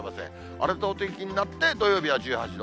荒れたお天気になって、土曜日は１８度。